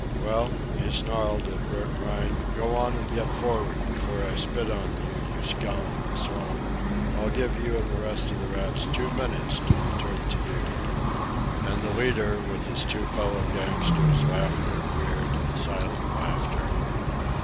"Well?" he snarled at Bert Rhine. "Go on and get for'ard before I spit on you, you scum and slum. I'll give you and the rest of the rats two minutes to return to duty." And the leader, with his two fellow gangsters, laughed their weird, silent laughter.